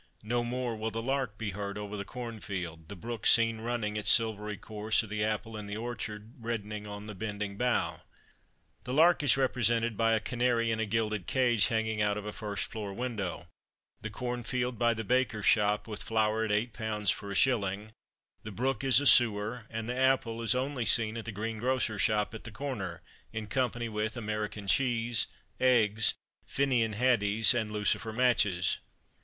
No more will the lark be heard over the cornfield the brook seen running its silvery course or the apple in the orchard reddening on the bending bough. The lark is represented by a canary in a gilded cage hanging out of a first floor window the corn field by the baker's shop, with flour at eight pounds for a shilling the brook is a sewer, and the apple is only seen at the greengrocer's shop at the corner, in company with American cheese, eggs, finnon haddies, and lucifer matches.